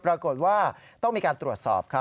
ปรากฏว่าต้องมีการตรวจสอบครับ